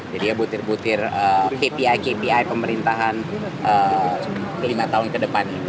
jadi ya butir butir kpi kpi pemerintahan lima tahun ke depan ini